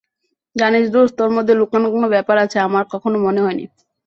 জানিস দোস্ত, তোর মধ্যে লুকানো কোন ব্যাপার আছে আমার কখনো মনে হয়নি।